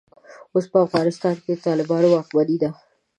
اوس په افغانستان کې د طالبانو واکمني ده.